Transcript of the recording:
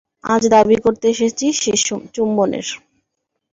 আজ দাবি করতে এসেছি শেষ চুম্বনের।